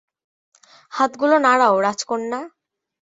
হাতগুলো নাড়াও, রাজকন্যা।